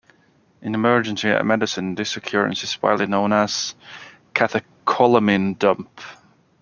In emergency medicine, this occurrence is widely known as "catecholamine dump".